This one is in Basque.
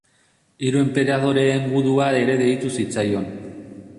Hiru Enperadoreen Gudua ere deitu zitzaion.